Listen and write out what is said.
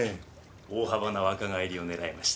大幅な若返りを狙いました。